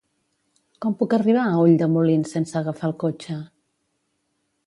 Com puc arribar a Ulldemolins sense agafar el cotxe?